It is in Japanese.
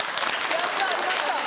やったありました。